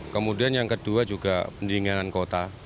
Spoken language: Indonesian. kemudian yang kedua juga pendinginan kota